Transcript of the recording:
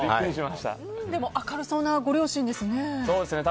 でも明るそうなご両親ですね。